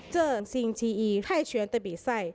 เจอสิงห์ทีอีไทยเชิญแต่บีไซต์